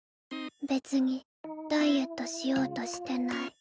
別にダイエットしようとしてない。